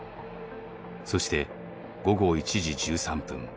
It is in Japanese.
そして午後１時１３分